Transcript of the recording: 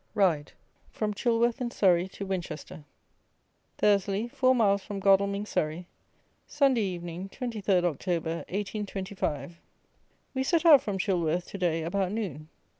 RIDE: FROM CHILWORTH, IN SURREY, TO WINCHESTER. Thursley, four miles from Godalming, Surrey, Sunday Evening, 23rd October, 1825. We set out from Chilworth to day about noon.